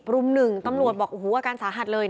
รุม๑ตำรวจบอกโอ้โหอาการสาหัสเลย